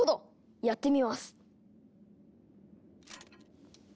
やってみます。